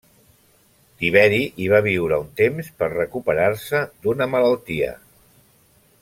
Tiberi hi va viure un temps per recuperar-se d'una malaltia.